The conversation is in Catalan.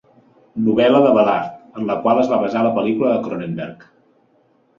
Novel·la de Ballard en la qual es va basar la pel·lícula de Cronenberg.